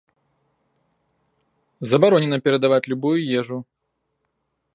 Забаронена перадаваць любую ежу.